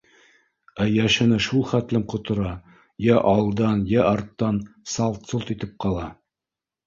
Ә йәшене шул хәтлем ҡотора: йә алдан, йә арттан салт-солт итеп ҡала.